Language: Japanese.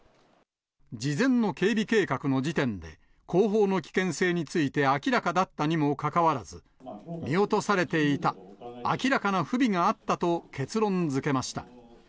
事前の警備計画の時点で、後方の危険性について明らかだったにもかかわらず、見落とされていた、明らかな不備があったと結論づけました。